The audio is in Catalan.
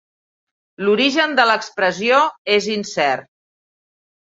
L'origen de l'expressió és incert.